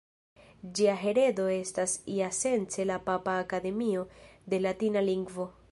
Ĝia heredo estas iasence la Papa Akademio de Latina Lingvo.